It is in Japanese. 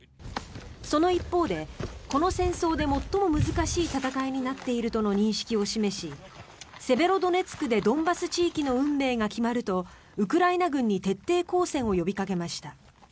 その一方でこの戦争で最も難しい戦いになっているとの認識を示しセベロドネツクでドンバス地域の運命が決まるとウクライナ軍に徹底抗戦を呼びかけました。